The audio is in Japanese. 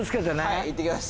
はいいってきます。